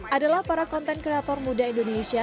adalah para konten kreator muda indonesia